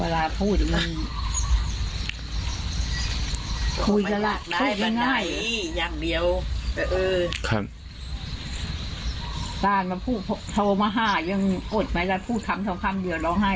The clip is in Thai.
แล้วพูดคำเดียวร้องไห้